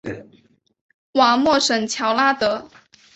瓦莫什乔拉德。